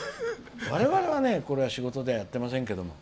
我々はこれは仕事ではやってませんけど。